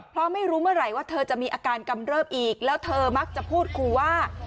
เพราะไม่รู้เมื่อไหร่ว่าเธอจะมีอาการกำเริบอีกแล้วเธอมักจะพูดครูว่า